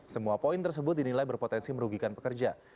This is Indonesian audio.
semua poin tersebut dinilai berpotensi merugikan pekerja